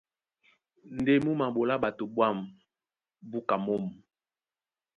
Ndé mú maɓolá ɓato ɓwǎm̀ búka mǒm.